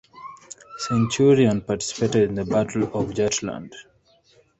"Centurion" participated in the Battle of Jutland.